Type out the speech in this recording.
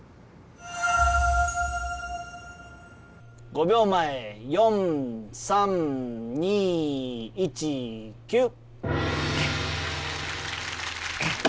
５秒前４３２１キュー。